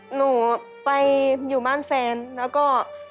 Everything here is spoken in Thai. หนูไปอยู่บ้านแฟนแล้วก็